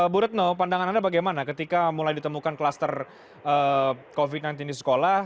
bu retno pandangan anda bagaimana ketika mulai ditemukan klaster covid sembilan belas di sekolah